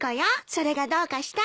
それがどうかした？